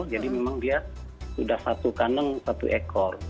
jadi memang dia sudah satu kandang satu ekor